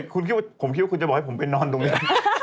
ผมคิดว่าคุณจะบอกให้ผมไปนอนตรงนี้